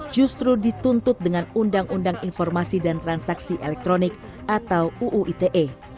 justru dituntut dengan undang undang informasi dan transaksi elektronik atau uu ite